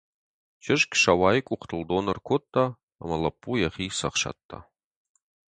Чызг Сӕуайы къухтыл дон ӕркодта, ӕмӕ лӕппу йӕхи цӕхсадта.